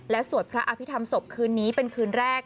สวดพระอภิษฐรรมศพคืนนี้เป็นคืนแรก